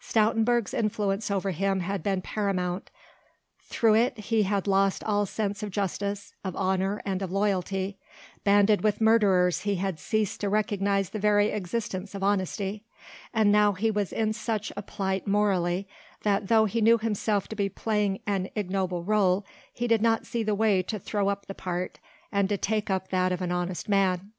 Stoutenburg's influence over him had been paramount, through it he had lost all sense of justice, of honour and of loyalty; banded with murderers he had ceased to recognize the very existence of honesty, and now he was in such a plight morally, that though he knew himself to be playing an ignoble rôle, he did not see the way to throw up the part and to take up that of an honest man.